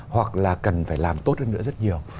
hoặc là cần phải làm tốt hơn nữa rất nhiều